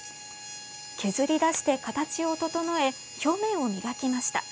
削り出して形を整え表面を磨きました。